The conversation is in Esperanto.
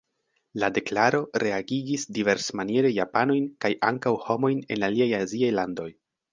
La deklaro reagigis diversmaniere japanojn kaj ankaŭ homojn en aliaj aziaj landoj.